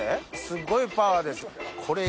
すっごいパワーです。